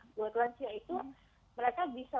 buat lansia itu mereka bisa